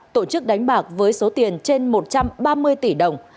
tổ chức đánh bạc với số tiền trên một trăm ba mươi tỷ đồng